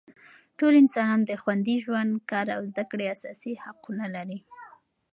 ټول انسانان د خوندي ژوند، کار او زده کړې اساسي حقونه لري.